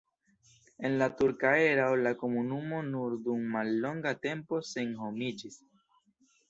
En la turka erao la komunumo nur dum mallonga tempo senhomiĝis.